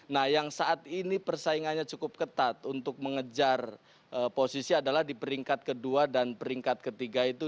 nah yang saat ini persaingannya cukup ketat untuk mengejar posisi adalah di peringkat kedua dan peringkat ketiga itu